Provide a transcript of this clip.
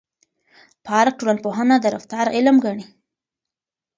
پارک ټولنپوهنه د رفتار علم ګڼي.